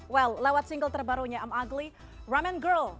well lewat single terbarunya i'm ugly ramen girl